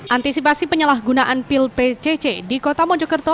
antisipasi penyalahgunaan pil pcc di kota mojokerto